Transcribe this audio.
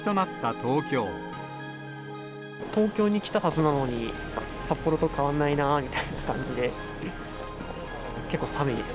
東京に来たはずなのに、札幌と変わらないなみたいな感じで、結構寒いです。